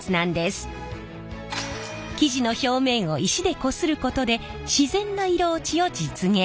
生地の表面を石でこすることで自然な色落ちを実現。